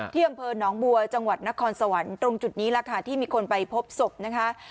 อำเภอหนองบัวจังหวัดนครสวรรค์ตรงจุดนี้แหละค่ะที่มีคนไปพบศพนะคะ